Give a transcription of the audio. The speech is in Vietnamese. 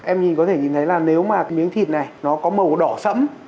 em có thể nhìn thấy là nếu mà miếng thịt này nó có màu đỏ sẫm